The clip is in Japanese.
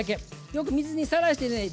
よく水にさらしてね